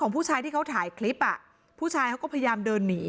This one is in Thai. ผู้ชายที่เขาถ่ายคลิปผู้ชายเขาก็พยายามเดินหนี